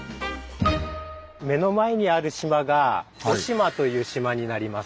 目の前にある島が雄島という島になります。